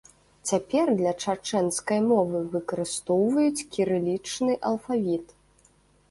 Цяпер для чачэнскай мовы выкарыстоўваюць кірылічны алфавіт.